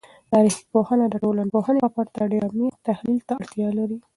تاریخي پوهنه د ټولنپوهنې په پرتله ډیر عمیق تحلیل ته اړتیا لري.